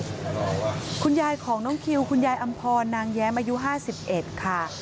คุณยายของนมคุณยายอำพอลนางแย้งอายุ๕๑ค่ะ